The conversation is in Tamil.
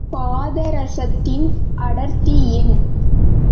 பாதரசத்தின் அடர்த்தி எண்